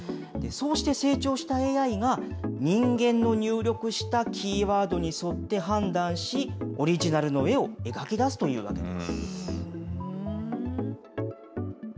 そうして成長したＡＩが、人間の入力したキーワードに沿って判断し、オリジナルの絵を描き出すというわけです。